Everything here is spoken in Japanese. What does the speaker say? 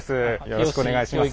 よろしくお願いします。